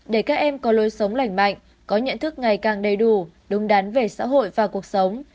để các em có lối sống lành mạnh có nhận thức ngày càng đầy đủ đúng đắn về xã hội và cuộc sống